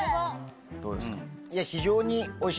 どうですか？